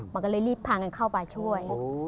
มันก็เลยรีบพากันเข้าไปช่วย